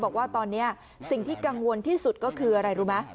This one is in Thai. บอกว่าตอนนี้สิ่งที่กังวลที่สุดก็คืออะไรรู้ไหม